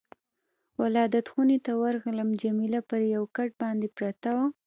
ولادت خونې ته ورغلم، جميله پر یو کټ باندې پرته وه.